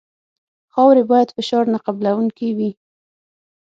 خاوره باید فشار نه قبلوونکې وي